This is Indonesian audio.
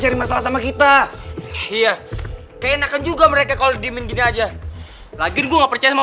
cari masalah sama kita iya kayak enakan juga mereka kalau di mingin aja lagi gua nggak percaya